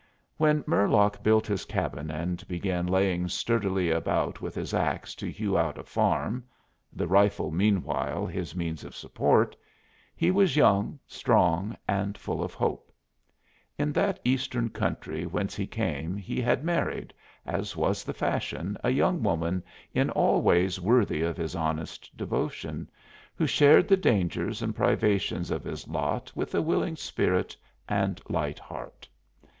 When Murlock built his cabin and began laying sturdily about with his ax to hew out a farm the rifle, meanwhile, his means of support he was young, strong and full of hope. In that eastern country whence he came he had married, as was the fashion, a young woman in all ways worthy of his honest devotion, who shared the dangers and privations of his lot with a willing spirit and light heart.